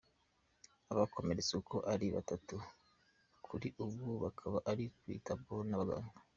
Abakomeretse uko ari batatu kuri ubu bakaba bari kwitabwaho n’abaganga.